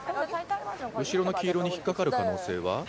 後ろの黄色に引っかかる可能性は？